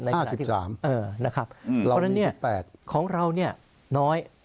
๕๓นะครับเพราะฉะนั้นเนี่ยของเราเนี่ยน้อย